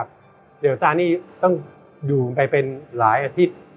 เดี๋ยวตานี่ต้องอยู่ไปเป็นหลายอาทิตย์